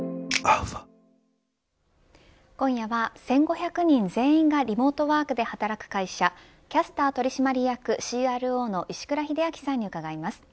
今夜は１５００人全員がリモートワークで働く会社キャスター取締役ＣＲＯの石倉秀明さんに伺います。